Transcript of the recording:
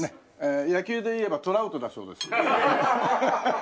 野球でいえばトラウトだそうです。